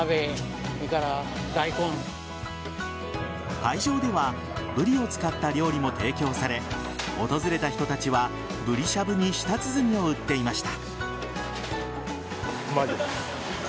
会場ではブリを使った料理も提供され訪れた人たちはぶりしゃぶに舌鼓を打っていました。